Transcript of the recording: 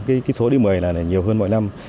cái số điểm một mươi là nhiều hơn mỗi năm